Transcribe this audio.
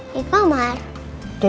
kita ke halaman yuk